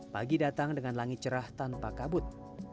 pagi datang dengan langit cerah tanpa kabut